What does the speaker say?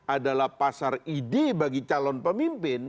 adalah pasar ide bagi calon pemimpin